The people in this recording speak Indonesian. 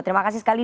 terima kasih sekali